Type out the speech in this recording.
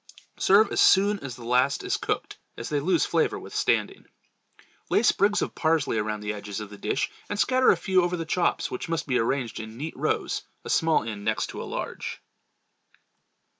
Serve as soon as the last is cooked, as they lose flavor with standing. Lay sprigs of parsley around the edges of the dish and scatter a few over the chops which must be arranged in neat rows, a small end next to a large.